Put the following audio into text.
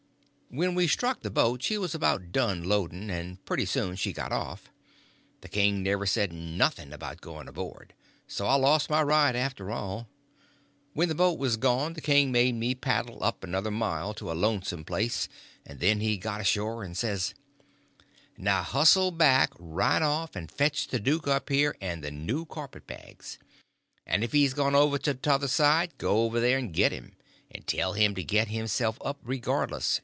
When we struck the boat she was about done loading, and pretty soon she got off. The king never said nothing about going aboard, so I lost my ride, after all. When the boat was gone the king made me paddle up another mile to a lonesome place, and then he got ashore and says: "Now hustle back, right off, and fetch the duke up here, and the new carpet bags. And if he's gone over to t'other side, go over there and git him. And tell him to git himself up regardless.